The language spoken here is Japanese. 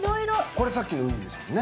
これさっきのウニですもんね。